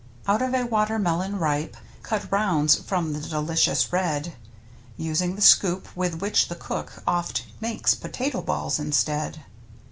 Out of a watermelon ripe Cut rounds from the delicious red, Using the scoop with which the cook Oft makes potato balls instead.